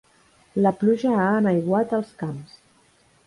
La pluja ha enaiguat els camps.